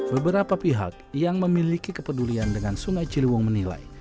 beberapa pihak yang memiliki kepedulian dengan sungai ciliwung menilai